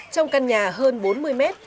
trong căn nhà hơn bốn mươi mét